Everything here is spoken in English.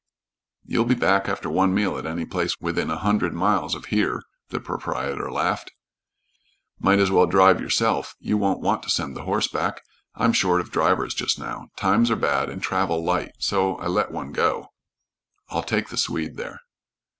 "You'll be back after one meal at any place within a hundred miles of here." The proprietor laughed. "Might as well drive yourself. You won't want to send the horse back. I'm short of drivers just now. Times are bad and travel light, so I let one go." "I'll take the Swede there."